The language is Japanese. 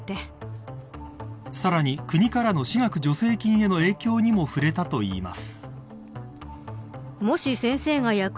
さらに、国からの私学助成金への影響にも触れたといいます。